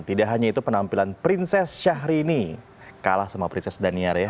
tidak hanya itu penampilan princess syahrini kalah sama princes daniar ya